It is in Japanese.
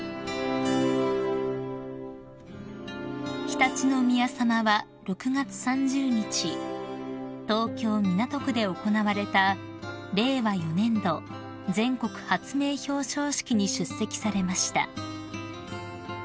［常陸宮さまは６月３０日東京港区で行われた令和４年度全国発明表彰式に出席されました］